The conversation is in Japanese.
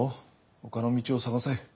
ほかの道を探せ。